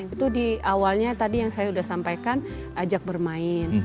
itu di awalnya tadi yang saya sudah sampaikan ajak bermain